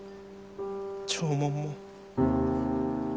弔問も。